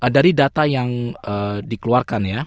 dari data yang dikeluarkan ya